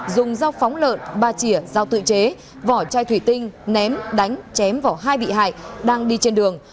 dùng dao phóng lợn ba chỉa dao tự chế vỏ chai thủy tinh ném đánh chém vỏ hai bị hại đang đi trên đường